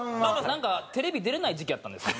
なんかテレビ出れない時期やったんですよ